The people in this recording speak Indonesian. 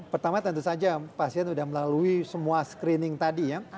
pertama tentu saja pasien sudah melalui semua screening tadi ya